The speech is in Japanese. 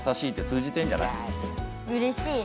うれしい。